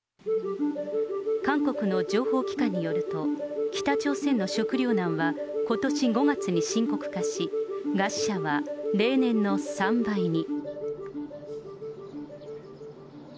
韓国の情報機関によると、北朝鮮の食糧難はことし５月に深刻化し、餓死者は例年の３倍に。